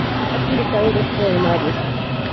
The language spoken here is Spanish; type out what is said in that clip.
Ha publicado dos poemarios.